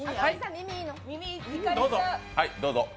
どうぞ。